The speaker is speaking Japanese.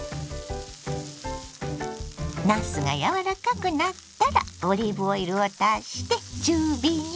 なすが柔らかくなったらオリーブオイルを足して中火に。